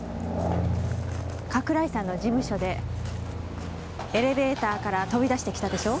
加倉井さんの事務所でエレベーターから飛び出して来たでしょう？